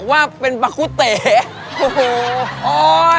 ว่าเป็นลากุเตะ